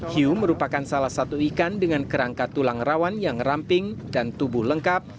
hiu merupakan salah satu ikan dengan kerangka tulang rawan yang ramping dan tubuh lengkap